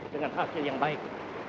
dengan hasil yang baik